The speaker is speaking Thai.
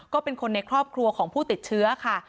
ก็เป็นคนในครอบครัวของผู้ติดเชื้อค่ะ